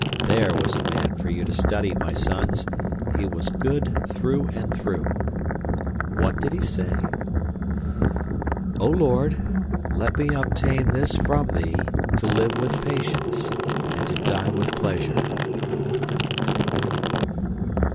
THERE was a man for you to study, my sons! He was good through and through. What did he say? "O Lord, let me obtain this from Thee To live with patience, and to die with pleasure!